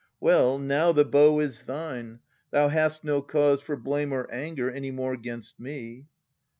Well, now the bow is thine. Thou hast no cause For blame or anger any more 'gainst me.